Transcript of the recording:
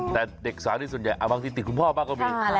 แต่เด็กสาวนี่ส่วนใหญ่บางทีติดคุณพ่อบ้างก็มี